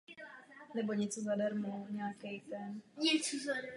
Za architektonickým návrhem stojí architektonický ateliér Chapman Taylor.